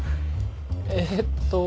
えっと。